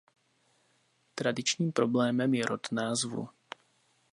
Tradičním problémem je rod názvu.